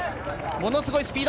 ものすごいスピード。